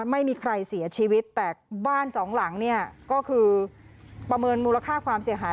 ไม่มีใครเสียชีวิตแต่บ้านสองหลังเนี่ยก็คือประเมินมูลค่าความเสียหาย